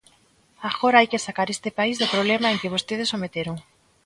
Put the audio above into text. Agora hai que sacar este país do problema en que vostedes o meteron.